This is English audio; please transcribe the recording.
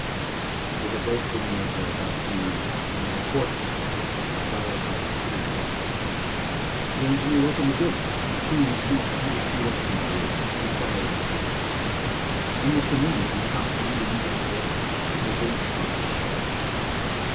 They had both been there for about ten minutes, when a report was heard, followed by repeated barks. The engineer opened the gate, and seeing smoke a hundred feet off in the wood, he fired in that direction. Almost immediately Top bounded into the corral, and the gate was quickly shut.